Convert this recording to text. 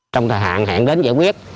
trong thời hạn hẹn đến giải quyết